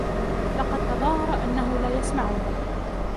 لقد تظاهر أنه لا يسمعني